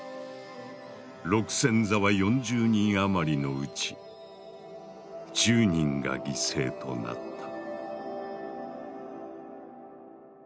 六線沢４０人余りのうち１０人が犠牲となった。